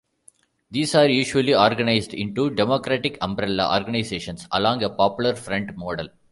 These are usually organized into democratic umbrella organizations along a popular front model.